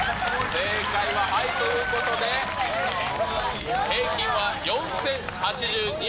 正解はハイということで、平均は４０８２円。